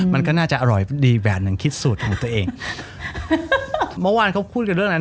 มันก็น่าจะอร่อยดีแบบหนึ่งคิดสูตรของตัวเองเมื่อวานเขาพูดกับเรื่องนั้น